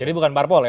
jadi bukan parpol ya